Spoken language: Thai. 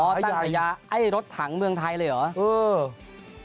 ตั้งฉายาไอ้รถถังเมืองไทยเลยเหรอ